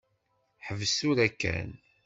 Ḥbes tura kan.